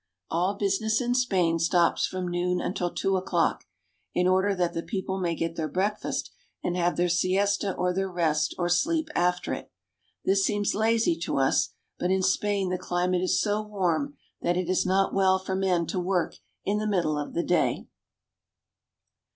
All business in Spain stops from noon until two o'clock, in order that the people may get their breakfast and have their siesta or their rest or sleep after it. This seems lazy to us, but in Spain the climate is so warm that it is not well for men to work in the middle of the day.